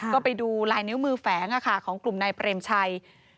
ก็ไปดูลายนิ้วมือแฝงของกลุ่มนายเปรมชัย